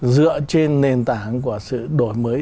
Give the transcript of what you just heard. dựa trên nền tảng của sự đổi mới